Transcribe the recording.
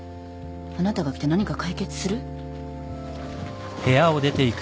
あなたが来て何か解決する？